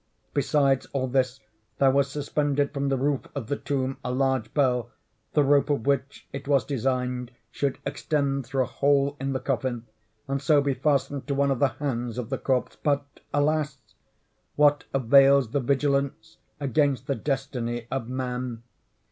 Besides all this, there was suspended from the roof of the tomb, a large bell, the rope of which, it was designed, should extend through a hole in the coffin, and so be fastened to one of the hands of the corpse. But, alas? what avails the vigilance against the Destiny of man?